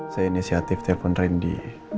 saya inisiatif telpon randy